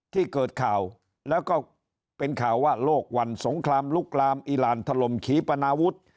ที่เกิดข่าวแล้วก็เป็นข่าวว่าโลกวันสงครามลุกลามอีหลานถล่มขีปนาวุฒิ